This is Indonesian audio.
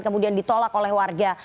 kemudian ditolak oleh warga